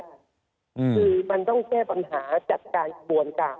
คือมันต้องแก้ปัญหาจัดการกระบวนการ